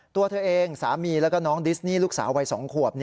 ตัวเธอเองสามีแล้วก็น้องดิสนี่ลูกสาววัย๒ขวบ